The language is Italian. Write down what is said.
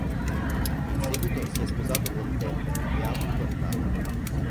In seguito si è sposato con Deb e ha avuto Nathan.